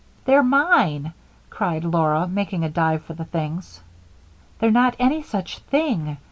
"They're mine!" cried Laura, making a dive for the things. "They're not any such thing!"